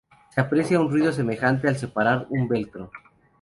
Se aprecia un ruido semejante al separar un velcro.